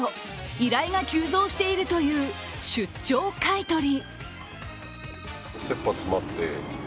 依頼が急増しているという出張買い取り。